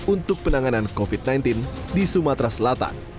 untuk penanganan covid sembilan belas di sumatera selatan